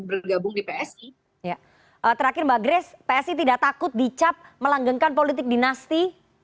bergabung di psi terakhir mbak grace psi tidak takut dicap melanggengkan politik dinasti